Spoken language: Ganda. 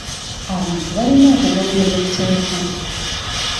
Abantu balina okugoberera etteeka.